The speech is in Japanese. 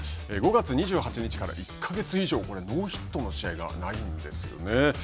５月２８日から１か月以上、ノーヒットの試合がないんですよね。